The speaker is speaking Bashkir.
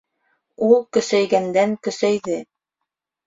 Ул көсәйгәндән-көсәйҙе.